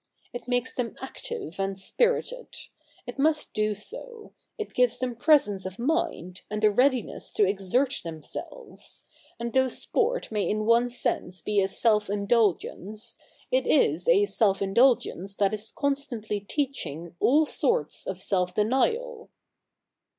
It makes them active and spirited — it must do so : it gives them presence of mind, and a readiness to exert themselves ; and though sport may in one sense be a self indulgence, it is a self indulgence that is constantly teaching all sorts of self denial.'